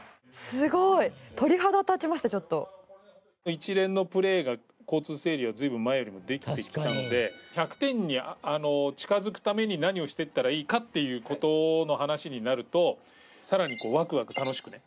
一連のプレー交通整理が随分前よりもできてきたので１００点に近づくために何をしていったらいいかっていう事の話になるとさらにワクワク楽しくね。